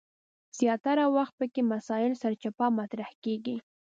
زیاتره وخت پکې مسایل سرچپه مطرح کیږي.